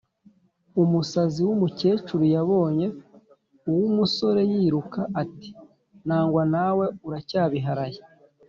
Umusazi w’umukecuru yabonye uw’umusore yiruka ati nangwa nawe uracyabiharaye.